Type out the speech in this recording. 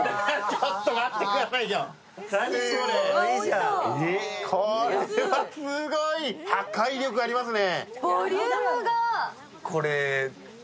ちょっと待ってくださいよ、これ、破壊力ありますね。